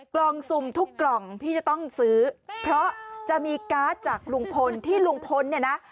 กล่องซุ่มทุกกล่องที่จะต้องซื้อเพราะจะมีการ์ดจากลุงพลที่ลุงพลเนี่ยนะ